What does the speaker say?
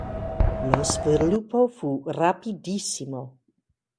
Lo sviluppo fu rapidissimo.